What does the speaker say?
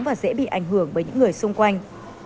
và dễ bị ảnh hưởng bởi những người xung quanh